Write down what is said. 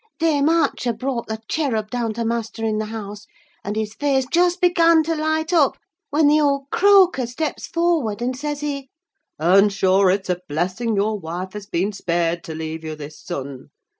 Dame Archer brought the cherub down to master, in the house, and his face just began to light up, when the old croaker steps forward, and says he—'Earnshaw, it's a blessing your wife has been spared to leave you this son.